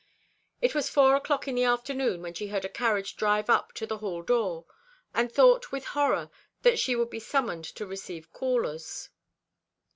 It was four o'clock in the afternoon, when she heard a carriage drive up to the hall door, and thought with horror that she would be summoned to receive callers.